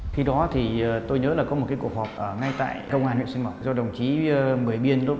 khi đó thì tôi nhớ là có một cuộc họp ở ngay tại công an huyện sinh mậu do đồng chí mười biên lúc